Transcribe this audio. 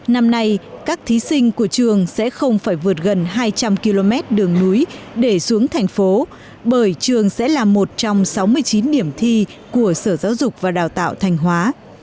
năm nay trường trung học phổ thông mường lát thuộc huyện miền núi và là nơi xa nhất của tỉnh thanh hóa